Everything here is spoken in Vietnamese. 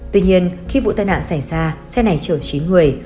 tuy nhiên khi vụ tai nạn xảy ra xe này chở chín người